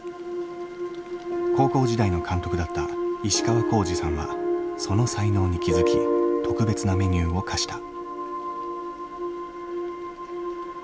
高校時代の監督だった石川弘二さんはその才能に気付き特別なメニューを課した。